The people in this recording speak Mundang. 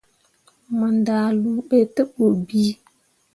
Mo ndahluu be te bu bii.